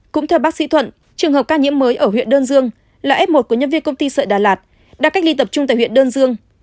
cũng theo bác sĩ thuận trường hợp ca nhiễm mới ở huyện đơn dương là f một của nhân viên công ty sợi đà lạt đang cách ly tập trung tại huyện đơn dương